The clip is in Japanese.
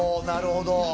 なるほど。